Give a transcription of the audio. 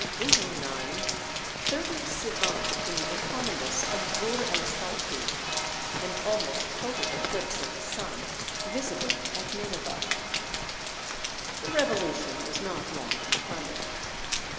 809 30 Sivan in the eponymos of Bur el salkhi an almost total eclipse of the sun, visible at Nineveh. The revolution was not long in coming.